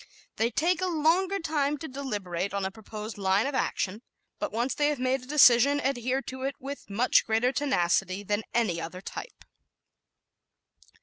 They take a longer time to deliberate on a proposed line of action, but once they have made a decision, adhere to it with much greater tenacity than any other type.